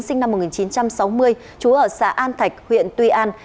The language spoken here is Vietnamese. sinh năm một nghìn chín trăm sáu mươi chú ở xã an thạch huyện tuy an